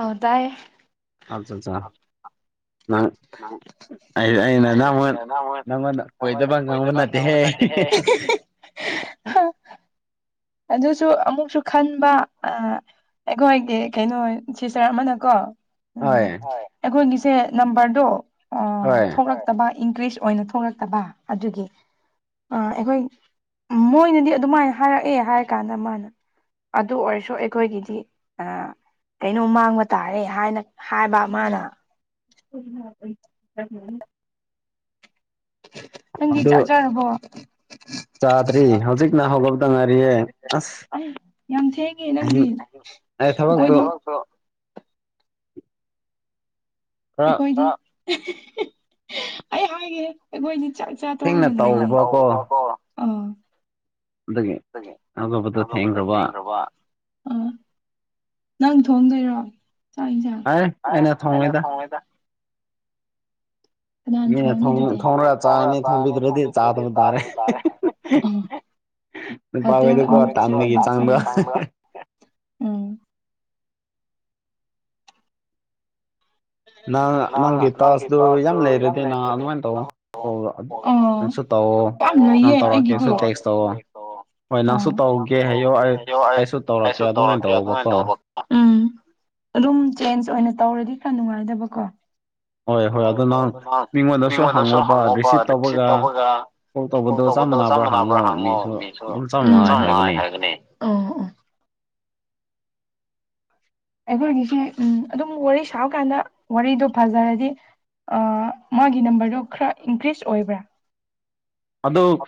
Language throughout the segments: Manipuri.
ꯑ ꯇꯥꯏꯌꯦ ꯑꯆꯥꯆꯥ ꯍꯪ ꯑꯩꯅ ꯅꯪꯉꯣꯟ ꯅꯪꯉꯣꯟꯗ ꯀꯣꯏꯗꯕ ꯉꯥꯡꯕ ꯅꯠꯇꯦ ꯍ ꯑꯗꯨꯁꯨ ꯑꯃꯨꯛꯁꯨ ꯈꯟꯕ ꯑ ꯑꯩꯈꯣꯏꯒꯤ ꯀꯩꯅꯣ ꯁꯤꯁꯇꯔ ꯑꯃꯅꯀꯣ ꯎꯝ ꯑꯩꯈꯣꯏꯒꯤꯁꯦ ꯅꯝꯕꯔꯗꯣ ꯊꯣꯛꯂꯛ ꯇ ꯏꯟꯀ꯭ꯔꯤꯁ ꯑꯣꯏꯅ ꯊꯣꯛꯂꯛꯇꯕ ꯑꯗꯨꯒꯤ ꯑꯥ ꯑꯩꯈꯣꯏ ꯃꯣꯏꯅꯗꯤ ꯑꯗꯨꯃꯥꯏꯅ ꯍꯥꯏꯔꯛꯑꯦ ꯍꯥꯏꯔꯀꯥꯟꯗ ꯃꯥꯅ ꯑꯗꯨ ꯑꯣꯏꯔꯁꯨ ꯑꯩꯈꯣꯏꯒꯤꯗꯤ ꯀꯩꯅꯣ ꯃꯥꯡꯕ ꯇꯥꯔꯦ ꯍꯥꯏꯅ ꯎ ꯎ ꯎ ꯎ ꯅꯪꯗꯤ ꯆꯥꯖꯔꯕꯣ ꯆꯥꯗ꯭ꯔꯤ ꯍꯧꯖꯤꯛ ꯅꯍꯍꯧꯕꯕꯨꯗꯪ ꯉꯥꯏꯔꯤꯌꯦ ꯑꯁ ꯌꯥꯝ ꯊꯦꯡꯉꯦ ꯅꯪꯗꯤ ꯑꯩꯈꯣꯏ ꯑꯩꯈꯣꯏꯗ ꯑꯩ ꯍꯥꯏꯒꯦ ꯃꯣꯏꯅꯤ ꯆꯥꯛꯆꯥ ꯇꯣꯛꯒꯅꯦ ꯑꯩꯅ ꯇꯧꯕꯀꯣ ꯍꯧꯒꯠꯄꯗꯣ ꯊꯦꯡꯒꯔꯥꯕ ꯑꯥ ꯅꯪ ꯊꯣꯡꯗꯣꯏꯔꯣ ꯆꯥꯛ ꯌꯦꯟꯁꯥꯡ ꯑꯩꯅ ꯊꯣꯡꯉꯗ ꯏꯅꯦ ꯊꯣꯡꯅ ꯆꯥꯒꯅꯤ ꯊꯣꯡꯝꯕꯤꯗ꯭ꯔꯗꯤ ꯆꯥꯗꯕ ꯇꯥꯔꯦ ꯑ ꯎꯝ ꯅꯪ ꯇꯔꯗꯨ ꯌꯦ ꯌꯥꯝ ꯅꯌꯦ ꯑꯩ ꯀ ꯎꯝ ꯑꯩꯁꯨ ꯇꯧꯒꯦ ꯍꯥꯏ ꯑꯩꯁꯨ ꯇꯧꯔꯛꯀꯦ ꯑꯗꯨꯃꯥꯏꯅ ꯇꯧꯕ ꯎꯝ ꯑꯗꯨꯝ ꯆꯦꯟꯖ ꯑꯣꯏꯅ ꯇꯧꯔꯗꯤ ꯈꯔ ꯅꯨꯡꯉꯥꯏꯗꯕꯀꯣ ꯍꯣꯏ ꯍꯣꯏ ꯑꯗꯨꯅ ꯃꯤꯉꯣꯟꯗꯁꯨ ꯍꯪꯉꯕ ꯔꯤꯁꯤꯞ ꯇꯧꯕꯒ ꯇꯗ ꯆꯞ ꯃꯥꯟꯅꯕ꯭ꯔꯥ ꯍꯥꯡꯉꯣ ꯃꯤꯁꯨ ꯆ ꯃ ꯍꯥꯏꯕꯅꯤ ꯑꯩꯈꯣꯏꯒꯤꯁꯤ ꯎꯝ ꯑꯗꯨꯝ ꯋꯥꯔꯤ ꯁꯥꯕꯀꯥꯟꯗ ꯋꯥꯔꯤꯗꯣ ꯐꯖꯔꯗꯤ ꯃꯥꯒꯤ ꯅꯝꯕꯔꯗꯣ ꯈꯔ ꯏꯟꯀ꯭ꯔꯤꯖ ꯑꯣꯏꯕ꯭ꯔꯥ ꯑꯗꯣ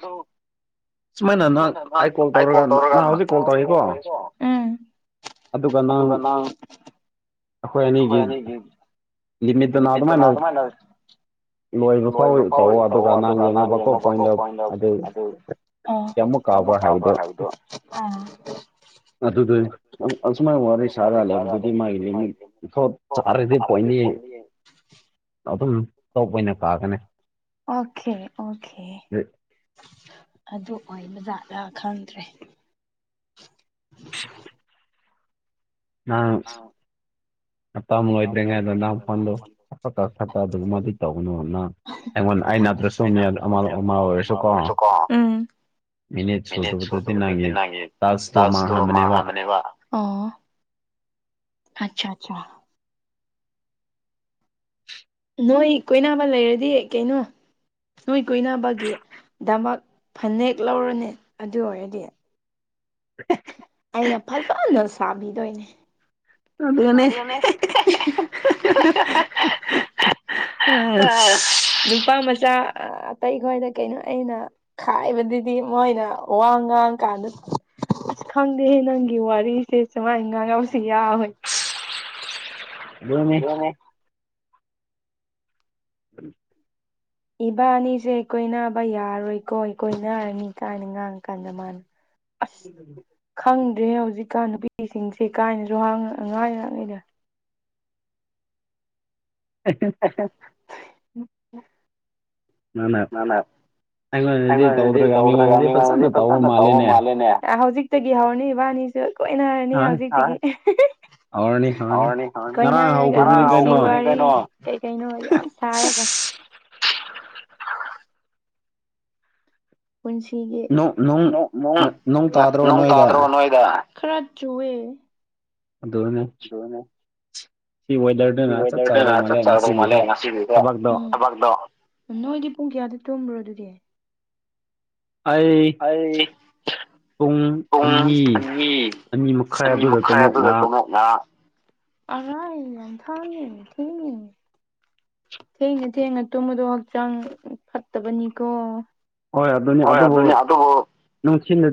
ꯅ ꯅ ꯅꯪ ꯑꯩ ꯀꯣꯜ ꯇꯧꯔꯒꯥꯟ ꯅ ꯍꯧꯗꯤ ꯀꯣꯜ ꯇꯧꯒꯦꯀꯣ ꯑꯗꯨꯒ ꯅꯪ ꯑꯩꯈꯣꯏ ꯑꯅꯤꯒꯤ ꯏꯟꯅꯗꯅꯅꯥ ꯑꯗꯨꯃꯥꯏꯅꯦ ꯂꯣꯏꯕ ꯐꯥꯎꯋꯤ ꯇꯧꯑꯣ ꯑꯗꯨꯒ ꯅꯍꯪ ꯌꯦꯡꯉꯕ ꯈꯣꯠꯄꯗ ꯑꯗꯨ ꯌꯃꯛ ꯃꯥꯥꯕ꯭ꯔ ꯍꯥꯏꯥꯎꯗꯨ ꯑꯗꯨꯁꯨꯥꯏ ꯋꯥꯔꯤꯔ ꯁ ꯑꯗꯨꯗꯤ ꯆ ꯑ ꯑꯗꯨꯝ ꯑꯣꯀꯦ ꯑꯣꯀꯦ ꯑꯗꯨ ꯑꯣꯏꯕꯖꯥꯠꯅ ꯈꯪꯗ꯭ꯔꯦ ꯑ [inaudible] ꯉ ꯇ ꯑꯃ ꯂꯣꯏꯗ꯭ꯔꯤꯉꯩꯗ ꯅꯪ ꯐꯣꯟꯗꯣ ꯀꯠ ꯀꯠꯇ ꯑꯗꯨꯒꯃꯗꯤ ꯇꯧꯒꯅꯨꯅꯪ ꯑꯩꯅ ꯁꯣ ꯑꯃ ꯑꯣꯏꯔꯁꯨꯀꯣ ꯃꯤꯅꯤꯠ ꯁꯨꯗꯕꯗꯗꯤ ꯅꯪꯒꯤ ꯀ꯭ꯂꯥꯁꯇꯣ ꯃꯥꯡꯍꯕꯅꯦꯕ ꯑꯆꯥ ꯑꯆꯥ ꯅꯣꯏ ꯀꯣꯏꯅꯕ ꯂꯩꯔꯗꯤ ꯀꯩꯅꯣ ꯅꯣꯏꯏ ꯀꯨꯏꯅꯕꯒꯤ ꯗꯃꯛ ꯐꯅꯦꯛ ꯂꯧꯔꯅꯤ ꯑꯗꯨ ꯑꯣꯏꯔꯗꯤ [unintelligible] ꯑꯩꯅ ꯐꯖꯅ ꯁꯥꯕꯤꯗꯣꯏꯅꯦ ꯑꯗꯨꯒꯅꯦ ꯑ ꯅꯨꯄꯥ ꯃꯆꯥ ꯑꯇꯩ ꯈ꯭ꯣꯏꯗ ꯀꯩꯅꯣ ꯑꯩꯅ ꯈꯥꯏꯕꯗꯨꯗꯤ ꯃꯣꯏꯅ ꯋꯥꯡ ꯉꯥꯡ ꯀꯥꯟꯗ ꯑꯁ ꯈꯪꯗꯦꯍꯦ ꯅꯪꯒꯤ ꯋꯥꯔꯤꯁꯦ ꯁꯨꯃꯥꯏ ꯉꯥꯡ ꯉꯥꯎꯁꯤ ꯌꯥꯋꯣꯏ ꯑꯗꯨꯅꯤ ꯎꯝ ꯏꯕꯥꯅꯤꯁꯦ ꯑꯩꯈꯣꯏ ꯅꯥꯕ ꯌꯥꯔꯣꯏꯀꯣ ꯑꯩꯈꯣꯏ ꯅꯥꯔꯅꯤ ꯀꯥꯏꯅ ꯉꯥꯡꯉ ꯀꯥꯟꯗ ꯃꯥꯅ ꯑꯁ ꯈꯪꯗ꯭ꯔꯦ ꯍꯧꯖꯤꯛꯀꯥꯟ ꯅꯨꯄꯤꯁꯤꯡꯁꯦ ꯀꯥꯏꯅꯁꯨ ꯉꯥꯏꯥꯡꯉꯩꯗ ꯑ ꯑꯅ ꯑꯩꯉꯣꯟꯗꯗꯤ ꯇꯧꯗ꯭ꯔꯒꯉꯗꯤ ꯐꯖꯅ ꯇꯧꯕ ꯃꯥꯜꯂꯦꯅꯦ ꯍꯧꯖꯤꯛꯇꯒꯤ ꯍꯧꯔꯅꯤ ꯋꯥꯅꯤ ꯀꯣꯏꯅ ꯍꯥꯏꯔꯅꯤ ꯍꯧꯖꯤ ꯀ ꯣꯏꯅꯔꯒ ꯀꯩ ꯀꯩꯅꯣ ꯌꯥꯝ ꯁꯥꯔꯒ ꯄꯨꯟꯁꯤꯒꯤ ꯅꯣꯡ ꯇꯥꯗ꯭ꯔꯣ ꯅꯣꯏꯗ ꯈꯔꯖꯨꯋꯦ ꯑꯗꯨꯗꯅꯦ ꯑꯗꯨꯣꯅ ꯁꯤ ꯋꯥꯋꯦꯗꯔ ꯑꯣꯏꯋꯦꯗꯔꯗꯅ ꯆꯠ ꯆꯥꯗꯧ ꯃꯥꯜꯂꯦ ꯉꯁꯤꯗꯤꯗ ꯊꯕꯗꯣ ꯅꯣꯏꯗꯤ ꯄꯨꯡ ꯀꯌꯥꯗ ꯇꯨꯝꯕ꯭ꯔꯣ ꯑꯗꯨꯗꯤ ꯑꯩ ꯑꯩ ꯄꯨꯡ ꯑꯅꯤ ꯑꯅꯤ ꯃꯈꯥꯏ ꯑꯗꯨꯗ ꯇꯥꯃꯣ ꯑꯔ ꯊꯅꯤ ꯊꯦꯡ ꯊꯦꯡꯅ ꯊꯦꯡꯅ ꯇꯨꯝꯕꯗꯣ ꯍꯛꯆꯥꯡ ꯐꯠꯇꯕꯅꯤꯀꯣ ꯍꯣꯏ ꯑꯗꯨꯅꯤ ꯑꯗꯨꯕꯨ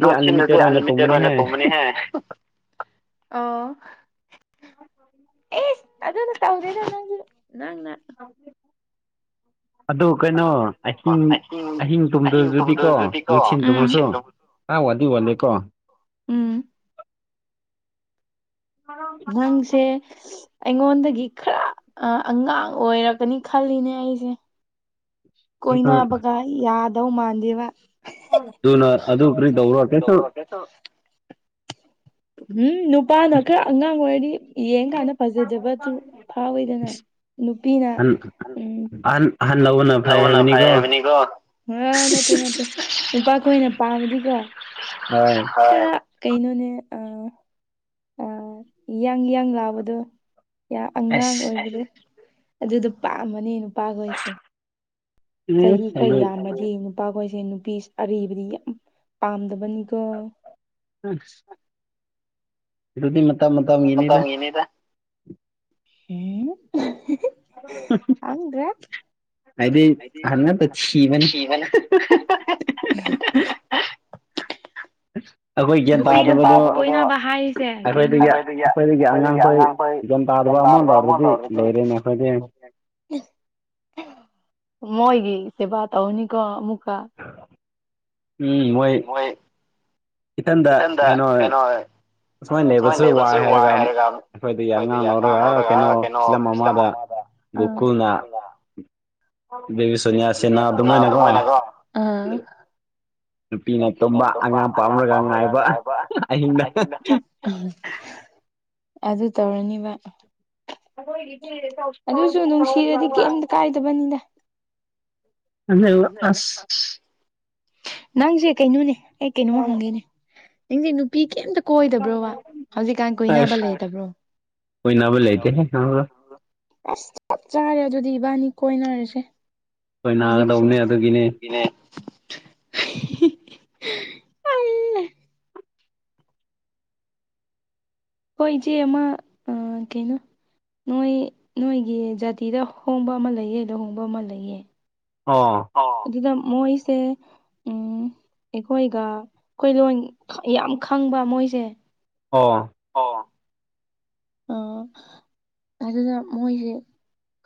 ꯅꯨꯡꯁꯤꯅꯗꯤ ꯑꯟꯂꯤꯃꯤꯇꯦꯠ ꯑꯣꯏꯅ ꯇꯣꯡꯃꯅꯤꯍꯦ ꯑ ꯑꯦ ꯑꯗꯨꯅ ꯇꯧꯗꯅ ꯅꯪꯒꯤ ꯅꯪꯅ ꯑꯗꯨ ꯀꯩꯅꯣ ꯑꯁꯤꯁꯤꯡ ꯑꯍꯤꯡ ꯇꯨꯝꯗꯕꯗꯨꯗꯤꯀꯣ ꯅꯨꯡꯊꯤꯟ ꯇꯨꯝꯃꯨꯔꯁꯨ ꯇꯥ ꯋꯥꯗꯤ ꯋꯥꯠꯂꯦꯀꯣ ꯎꯝ ꯉꯥꯡꯁꯦ ꯑꯩꯉꯣꯟꯗꯒꯤ ꯈꯔ ꯑꯉꯥꯡ ꯑꯣꯏꯔꯛꯀꯅꯤ ꯈꯜꯂꯤꯅꯦ ꯑꯩꯁꯦ ꯀꯣꯏꯕꯒ ꯌꯥꯗꯧ ꯃꯥꯟꯗꯦꯕ ꯑꯗꯨꯨꯅ ꯑꯗꯨ ꯀꯔꯤ ꯇꯧꯔꯣ ꯀꯩꯁꯨ ꯍꯠꯇꯣ ꯎꯝ ꯅꯨꯄꯥꯅ ꯈꯔ ꯑꯉꯥꯡ ꯑꯣꯏꯔꯗꯤ ꯌꯦꯡꯀꯥꯟꯗ ꯐꯖꯗꯕꯗꯨ ꯐꯥꯎꯋꯤꯗꯅ ꯅꯨꯄꯤꯅ ꯎꯝ ꯂꯅ ꯐ ꯍꯥꯏꯕꯅꯤ ꯀꯣ ꯎ ꯅ ꯅ ꯅꯨꯄꯥ ꯈꯣꯏꯅ ꯄꯥꯝꯃꯗꯤꯀꯣ ꯀꯩꯅꯣꯅꯦ ꯑ ꯑꯥ ꯌꯥꯌꯥꯡ ꯌꯥꯌꯥꯡ ꯂꯥꯛꯕꯗꯣ ꯑꯉꯥꯡ ꯑꯣꯏꯕꯗ ꯑꯗꯨꯗꯣ ꯄꯥꯝꯝꯕꯅꯤ ꯅꯨꯄꯥꯈꯣꯏꯁꯦ ꯆꯍꯤ ꯈꯔ ꯌꯥꯝꯃꯗꯤ ꯅꯨꯄꯥꯈꯣꯏꯁꯦ ꯅꯨꯄꯤ ꯑꯔꯤꯕꯗꯤ ꯌꯥꯝ ꯄꯥꯝꯗꯕꯅꯤꯀꯣ ꯎꯝ ꯃ ꯃꯊ ꯃꯅꯦꯗ ꯑꯪꯗ꯭ꯔ ꯗꯤ ꯁꯤꯕꯅꯦ ꯑ ꯅꯨ ꯅꯨꯄꯥ ꯑꯣꯏꯅꯕ ꯍꯥꯏꯔꯤꯁꯦ ꯀꯩꯅꯣ ꯣꯏ ꯟꯇꯥ ꯑꯗꯕ ꯑꯃꯗꯔꯗꯤ ꯃꯣꯏꯒꯤ ꯁꯦꯕꯥ ꯇꯧꯅꯤ ꯀ ꯃꯨꯀꯥ ꯎꯝ ꯃꯣꯏ ꯏꯊꯟꯗ ꯀꯩꯅꯣ ꯑꯁꯨꯃꯥꯏꯅ ꯂꯦꯕꯦꯜꯁꯨ ꯋꯥꯏ ꯍꯥꯏꯔꯒ ꯑꯩꯈꯣꯏꯗꯒꯤ ꯑꯉꯥꯡ ꯂꯧꯔꯒ ꯀꯩꯅꯣ ꯐꯤꯂꯝ ꯑꯃꯗ ꯒꯣꯀꯨꯜꯅ ꯁꯁꯤ ꯑꯗꯨꯃꯣꯏꯅꯦ ꯀꯣ ꯅ ꯇꯝꯕ ꯍꯉ ꯄꯝꯒꯉꯕ ꯑꯗꯨ ꯇꯧꯔꯅꯤꯕ ꯑꯩꯈꯣꯏꯒꯤꯗꯤ ꯇꯔꯛꯈꯕ ꯀꯥꯏꯗꯕꯅꯤꯗ ꯍꯜꯂ ꯑꯁ ꯅꯪꯁꯦ ꯀꯩꯅꯣꯅꯦ ꯑꯩ ꯀꯩꯅꯣꯃ ꯍꯪꯒꯦꯅꯦ ꯅꯁꯦ ꯅꯨꯄꯤ ꯀꯩꯝꯇ ꯀꯣꯏꯗꯕ꯭ꯔꯣꯕ ꯍꯧꯖꯤꯛꯀꯥꯟ ꯀꯣꯏꯅꯕ ꯂꯩꯇꯕ꯭ꯔꯣ ꯀꯣꯏꯅꯥꯕꯨ ꯂꯩꯇꯦꯦ ꯑꯁ ꯆꯞ ꯆꯥꯔꯦ ꯑꯗꯨꯗꯤ ꯏꯕꯥꯅꯤ ꯀꯣꯏꯅꯔꯁꯦ ꯂꯣꯏ ꯅꯥꯒꯗꯧꯅꯦ ꯑꯗꯨꯒꯤꯅꯦ ꯏꯅꯦ ꯍꯣꯏ ꯏꯆꯦ ꯑꯃ ꯀꯩꯅꯣ ꯅꯣꯏ ꯅꯣꯏꯒꯤ ꯖꯥꯇꯤꯗ ꯍꯣꯡꯕ ꯑꯃ ꯂꯩꯌꯦꯗ ꯍꯣꯡꯕ ꯑꯃ ꯂꯩꯌꯦ ꯑꯥ ꯑꯗꯨꯗ ꯃꯣꯏꯁꯦ ꯎꯝ ꯑꯩꯈꯣꯏꯒ ꯀꯣꯏꯂꯣꯟꯣꯟ ꯌꯥꯝ ꯈꯪꯕ ꯃꯣꯏꯁꯦ ꯑꯣ ꯑꯣ ꯑ ꯑꯗꯨꯅ ꯃꯣꯏꯁꯦ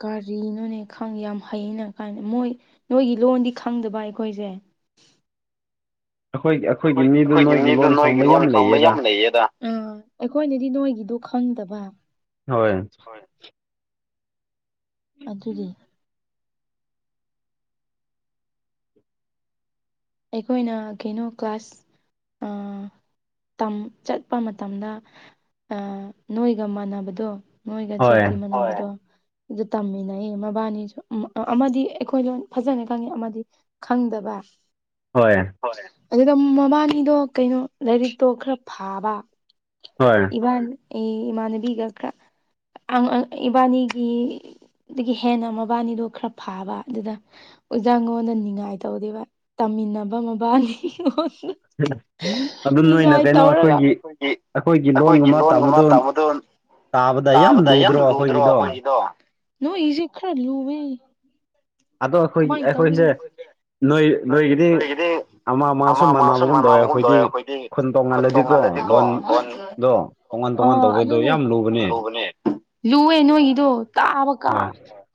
ꯀꯔꯤꯅꯣꯅꯦ ꯈꯪꯦ ꯌꯥꯝ ꯍꯩꯅ ꯀꯥꯏꯅ ꯃꯣꯏ ꯅꯣꯏꯒꯤ ꯂꯣꯟꯗꯤ ꯈꯪꯗꯕ ꯑꯩꯈꯣꯏꯁꯦ ꯑꯩꯈꯣꯏ ꯑꯩꯈꯣꯏꯒꯤ ꯃꯤꯗꯨ ꯅꯣꯏꯒꯤ ꯂꯣꯟ ꯈꯪꯕ ꯌꯥꯝ ꯂꯩꯌꯦꯗ ꯑꯥ ꯑꯩꯈꯣꯏꯅꯗꯤ ꯅꯣꯏꯒꯤꯗꯣ ꯈꯪꯗꯕ꯫ ꯍꯣꯏ꯫ ꯑꯗꯨꯒꯤ꯫ ꯑꯩꯈꯣꯏꯅ ꯀꯩꯅꯣ ꯀ꯭ꯂꯥꯁ ꯑꯥ꯫ ꯇ ꯆꯠꯄ ꯃꯇꯝꯗ ꯅꯣꯏꯒ ꯃꯥꯟꯅꯕꯗꯣ꯫ ꯅꯣꯏꯒꯖꯥꯇꯤ ꯃꯅꯗꯣ ꯑꯗꯨ ꯇꯝꯃꯤꯟꯅꯩꯌꯦ ꯃꯕꯥꯅꯤꯁꯨ ꯑꯃꯗꯤ ꯑꯩꯈꯣꯏ ꯂ ꯐꯖꯅ ꯈꯪꯉꯤ ꯑꯃꯗꯤ ꯈꯪꯗꯕ ꯍꯣꯏ ꯑꯗꯨꯗ ꯃꯕꯥꯅꯤꯗꯣ ꯀꯩꯅꯣ ꯂꯥꯏꯔꯤꯛꯇꯣ ꯈꯔ ꯐꯥꯕ ꯍꯣꯏ꯫ ꯏꯕꯥꯅꯤ ꯑꯦ ꯏꯃꯥꯟꯅꯕꯤꯒ ꯈꯔ ꯏꯕꯥꯅꯤꯒꯤ꯫ ꯑꯗꯒꯤ ꯍꯦꯟꯅ ꯃꯕꯥꯅꯤꯗꯣ ꯈꯔ ꯐꯥꯕ ꯑꯗꯨꯗ꫰꫰ ꯑꯣꯖꯥ ꯉꯣꯟꯗ ꯉꯥꯏ ꯇꯧꯗꯦꯕ ꯇꯝꯃꯤꯟꯅꯕ ꯃꯕꯥꯅꯤꯉꯣꯟꯗ꯫ ꯅꯤꯡꯉꯥꯏ ꯇꯧꯔꯒ꯫ ꯑꯩꯈꯣꯏꯒꯤ ꯂꯣꯟꯒꯨꯝꯕ ꯇꯥꯝꯕꯗꯨ꯫ ꯇꯥꯕꯗ ꯌꯥꯝ ꯂꯨꯗ꯭ꯔꯣ ꯑꯩꯈꯣꯏꯒꯤꯗꯣ ꯅꯣꯏꯒꯤꯁꯦ ꯈꯔ ꯂꯨꯋꯦ꯫ ꯑꯗꯣ ꯑꯩꯈꯣꯏꯒꯤ ꯑꯩꯈꯣꯏꯁꯦ꯫ ꯅꯣꯏ ꯅꯣꯏꯒꯤꯗꯤ ꯑꯃ ꯑꯃ ꯃꯁꯨ ꯃꯥꯟꯅꯕꯒꯨꯝ ꯇꯧꯋꯦ ꯑꯩꯈꯣꯏꯗꯤ꯫ ꯈꯨꯟ ꯇꯣꯉꯜꯂꯗꯤꯀꯣ ꯂꯣꯟꯗꯣ ꯇꯣꯉꯥꯟ ꯇꯣꯉꯥꯟ ꯇꯧꯕꯗꯣ ꯌꯥꯝ ꯂꯨꯕꯅꯦ꯫ ꯂꯨꯋꯦ ꯅꯣꯏꯒꯤꯗꯣ ꯇꯥꯕ ꯀꯥꯟ꯫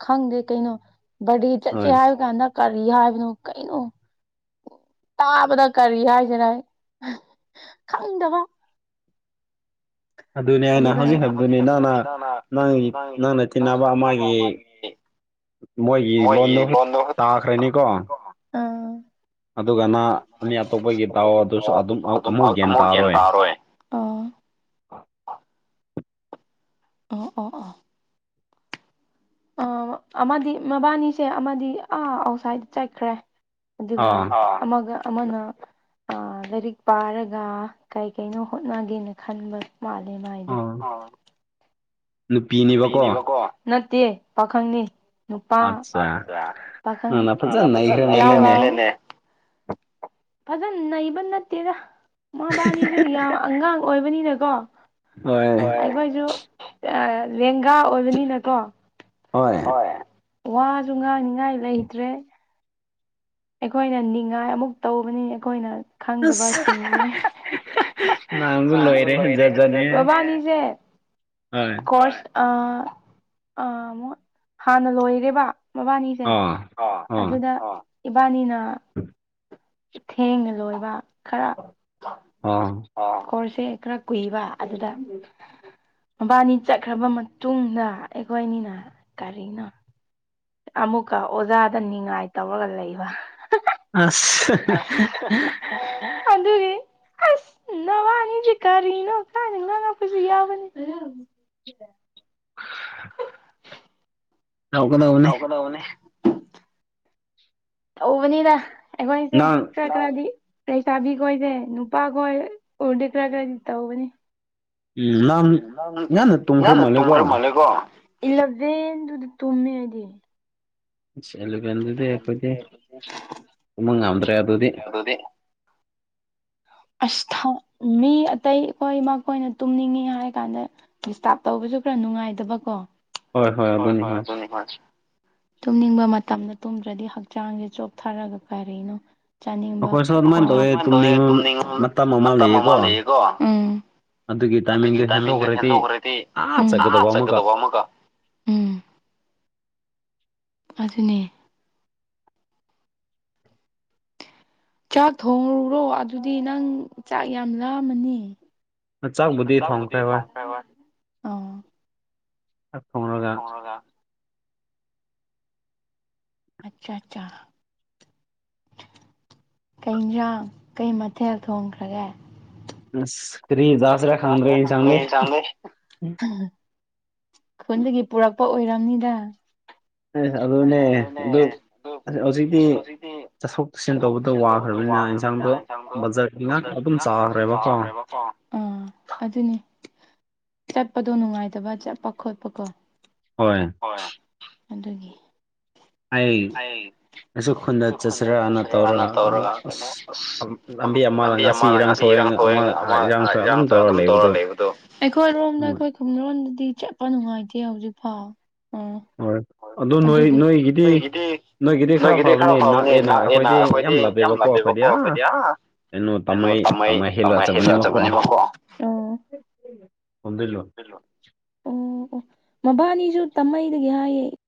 ꯈꯪꯗꯦ ꯀꯩꯅꯣ ꯕꯗꯤ ꯆꯠꯁꯦ ꯍꯥꯏꯕ ꯀꯥꯟꯗ ꯀꯔꯤ ꯍꯥꯏꯕꯅꯣ ꯀꯩꯅꯣ꯫ ꯇꯥꯕꯗ ꯀꯔꯤ ꯍꯥꯏꯁꯤꯔ ꯈꯪꯗꯕ꯫ ꯑꯗꯨꯅ ꯅꯪꯅ ꯍꯧꯖꯤꯛ ꯈꯛꯇꯥꯅꯤ ꯅꯪꯅ ꯅꯪꯒꯤ ꯅꯪꯅ ꯇꯤꯟꯅꯕ ꯑꯃꯒꯤ꯫ ꯃꯣꯏꯒꯤ ꯂꯣꯟꯗꯣ ꯈꯛ ꯇꯧꯈꯔꯗꯤꯀꯣ ꯎꯝ꯫ [unintelligible] ꯑꯃꯨꯛ ꯌꯦꯟ ꯇꯥꯔꯣꯏ꯫ ꯑꯥ꯫ ꯑꯣ ꯑꯣ ꯑꯣ꯫ ꯑ ꯑꯃꯗꯤ ꯃꯕꯥꯅꯤꯁꯦ ꯑꯃꯗꯤ ꯑꯥ ꯑꯥꯎꯠꯁꯥꯏꯗ ꯆꯠꯈ꯭ꯔꯦ꯫ ꯑꯗꯨꯒ ꯑꯃꯒ ꯑꯃꯅ꯫ ꯑ ꯂꯥꯏꯔꯤꯛ ꯄꯥꯔꯒ ꯀꯩ ꯀꯩꯅꯣ ꯍꯣꯠꯅꯒꯦꯅ ꯈꯟꯕ꯫ ꯃꯥꯂꯦ ꯃꯥꯏꯗꯣ꯫ ꯅꯨꯄꯤꯅꯦꯕꯀꯣ ꯅꯠꯇꯦ ꯄꯥꯈꯪꯅꯤ꯫ ꯅꯨꯄꯥ ꯄꯥꯈꯪ [inaudible] ꯐꯖꯅ ꯅꯩꯕ ꯅꯠꯇꯦꯗ ꯃꯕꯥꯅꯤꯅ ꯌꯥꯝ ꯑꯉꯥꯡ ꯑꯣꯏꯕꯅꯤꯅ꯫ ꯀꯣ ꯑꯩꯈꯣꯏꯁꯨ ꯑ꯫ ꯂꯦꯡꯒꯥ ꯑꯣꯏꯕꯅꯤꯅꯀꯣ ꯋꯥꯁꯨ ꯉꯥꯡꯅꯤꯉꯥꯏ ꯂꯩꯇ꯭ꯔꯦ꯫ ꯑꯩꯈꯣꯏꯅ ꯅꯤꯡꯉꯥꯏ ꯑꯃꯨꯛ ꯇꯧꯕꯅꯤ ꯑꯩꯈꯣꯏꯅ ꯈꯪꯗꯕꯁꯤꯡꯅ꯫ ꯂꯕꯨ ꯂꯣꯏꯔꯦ [unintelligible] ꯃꯕꯅꯤꯁꯦ ꯀꯣꯔꯁ꯫ ꯑ ꯑꯃ ꯍꯥꯟꯅ ꯂꯣꯏꯔꯦꯕ ꯃꯕꯥꯅꯤꯁꯦ꯫ ꯑꯗꯨꯅ ꯏꯕꯥꯅꯤꯅ꯫ [unintelligible] ꯊꯦꯡꯅ ꯂꯣꯏꯕ ꯈꯔ꯫ ꯑꯣ꯫ ꯈꯣꯔꯁꯦ ꯈꯔ ꯀꯨꯏꯕ ꯑꯗꯨꯗ꯫ ꯃꯕꯥꯅꯤ ꯆꯠꯈ꯭ꯔꯕ ꯃꯇꯨꯡꯗ ꯑꯩꯈꯣꯏꯅꯤꯅ ꯀꯔꯤꯅꯣ꯫ ꯑꯃꯨꯛꯀ ꯑꯣꯖꯥꯗ ꯅꯤꯉꯥꯏ ꯇꯧꯔꯒ ꯂꯩꯕ꯫ ꯑꯁ꯫ ꯑꯁ ꯑꯗꯨꯒꯤ ꯑꯁ꯫ ꯅ ꯋꯥꯅꯤꯗꯤ ꯀꯥꯔꯤꯅꯣ ꯊꯅ [inaudible] ꯉꯄꯁꯨ ꯌꯥꯕꯅ ꯑ [inaudible] ꯇꯧꯒꯗꯧꯕꯅꯤ ꯇꯧꯕꯅꯤ ꯇꯧꯕꯅꯤꯗ ꯑꯩꯈꯣꯏꯁꯦ ꯈꯔꯗꯤ ꯂꯩꯁꯥꯕꯤꯈꯣꯏꯁꯦ ꯅꯨꯄꯥꯈꯣꯏ ꯎꯔꯗꯦ ꯈ꯭ꯔ ꯈꯔꯗꯤ ꯇꯧꯕꯅꯤ ꯎꯝ ꯂꯥꯞ ꯎꯝ ꯅꯪ ꯉꯥꯟꯅ ꯇꯨꯝꯈ꯭ꯔ ꯃꯥꯜꯂꯦꯀꯣ ꯏꯂꯚꯦꯟꯗꯨꯗ ꯇꯨꯝꯃꯦ ꯑꯩꯗꯤ꯫ ꯑꯦꯂꯚꯦꯟꯗꯨꯗꯤ ꯑꯩꯈꯣꯏꯗꯤ ꯎꯕ ꯉꯝꯗ꯭ꯔꯦ ꯑꯗꯨꯗꯤ꯫ ꯑꯁ ꯊꯥꯎ ꯃꯤ ꯑꯇꯩ ꯑꯩꯈꯣꯏ ꯃꯈꯣꯏꯅ ꯇꯨꯝꯅꯤꯡꯉꯤ ꯍꯥꯏꯔ ꯀꯥꯟꯗ꯫ ꯗꯤꯁꯇꯥꯞ ꯇꯧꯕꯁꯨ ꯈꯔ ꯅꯨꯡꯉꯥꯏꯗꯕ ꯀꯣ꯫ ꯍꯣꯏ ꯍꯣꯏ ꯑꯗꯨꯅꯤ ꯍꯣꯏꯁ꯫ ꯃꯅꯦ ꯇꯨꯝꯅꯤꯡꯕ ꯃꯇꯝꯗ ꯇꯨꯝꯗ꯭ꯔꯗꯤ ꯍꯛꯆꯥꯡꯁꯦ ꯆꯣꯞꯊꯔꯒ ꯀꯔꯤꯅꯣ ꯥꯅꯤꯡꯕ ꯍꯣꯢ ꯇꯨꯝꯅꯤꯡꯕ ꯃꯇꯝ ꯑꯃ ꯂꯩꯌꯦꯀꯣ ꯑꯗꯨꯒꯤ ꯇꯥꯏꯃꯤꯡꯗꯨ ꯍꯦꯟꯗꯣꯛꯈ꯭ꯔꯗꯤ ꯑꯥ ꯆꯠꯀꯗꯧꯕ ꯑꯃꯨꯛꯒ ꯑꯗꯨꯅꯦ ꯆꯥꯛ ꯊꯣꯡꯉꯨꯔꯣ ꯑꯗꯨꯗꯤ ꯅꯪ ꯆꯥꯛ ꯌꯥꯝ ꯂꯥꯝꯃꯅꯤ ꯆꯥꯛꯕꯨꯗꯤ ꯊꯣꯡꯈ꯭ꯔꯦ ꯍꯣꯏ ꯑꯥꯎ ꯊꯣꯡꯂꯒ ꯑꯆꯥ ꯆꯥ ꯀꯩꯟꯁꯥꯡ ꯀꯩ ꯃꯊꯦꯜ ꯊꯣꯡꯈ꯭ꯔꯒꯦ ꯑꯁ ꯀꯔꯤ ꯆꯥꯁꯥꯔ ꯈꯪꯗ꯭ꯔꯦ ꯌꯦꯟꯁꯥꯡꯗꯤ ꯎꯝ ꯈꯨꯟꯗꯒꯤ ꯄꯨꯔꯛꯄ ꯑꯣꯏꯔꯝꯅꯤꯗ ꯑꯗꯨꯅꯦ ꯑꯗꯨ ꯍꯧꯖꯤꯛꯇꯤ ꯆꯠꯊꯣꯛ ꯆꯠꯁꯤꯟ ꯇꯧꯕꯗ ꯋꯥꯈ꯭ꯔꯕꯅꯤꯅ ꯌꯦꯟꯁꯥꯡꯗꯣ ꯕꯖꯥꯔꯒꯤ ꯉꯥꯗꯣ ꯑꯗꯨꯝ ꯆꯥꯈ꯭ꯔꯦꯕꯀꯣ ꯑꯥꯝ ꯑꯗꯨꯅꯤ ꯆꯠꯄꯗꯣ ꯅꯨꯡꯉꯥꯏꯇꯕ ꯆꯠꯄ ꯈꯣꯠꯄꯀꯣ ꯍꯣꯏ ꯍꯣꯏ ꯑꯗꯨꯒꯤ ꯍꯥꯏꯌꯦ ꯑꯩꯁꯨ ꯈꯨꯟꯗ ꯆꯠꯁꯤꯔꯅ ꯇꯧꯔꯒ ꯀꯩꯅꯣ ꯂꯝꯕꯤ ꯑꯃ ꯑꯃꯗ ꯁꯤ ꯏꯔꯥꯡ ꯊꯡ ꯑꯃ ꯏꯔꯥꯡ ꯑꯗꯨꯝ ꯇꯧꯔ ꯂꯩꯕꯗꯣ ꯈꯨꯡꯔꯣꯟꯗꯗꯤ ꯆꯠꯄ ꯅꯨꯡꯉꯥꯏꯇꯦ ꯍꯧꯖꯤꯛꯐꯥꯎ ꯍꯣꯏ ꯑꯗꯨ ꯅꯣꯏ ꯅꯣꯏꯒꯤ ꯗꯤ ꯅꯣꯏꯒꯤꯗꯤ ꯈꯔ ꯐꯕꯅꯤ ꯅꯛꯑꯦꯅ ꯑꯩꯈꯣꯏꯗꯤ ꯌꯥꯝ ꯂꯞꯄꯦꯕꯀꯣ ꯑꯩꯈꯣꯏꯗꯤ ꯑꯥ ꯀꯩꯅꯣ ꯇꯥꯃꯥꯏ ꯇꯥꯃꯥꯏ ꯍꯦꯜꯂ ꯆꯠꯕꯅꯦꯕꯀꯣ ꯑꯝ ꯑꯝ ꯃꯕꯥꯅꯤꯁꯨ ꯇꯥꯝꯃꯩꯗꯒꯤ ꯍꯥꯏꯌꯦ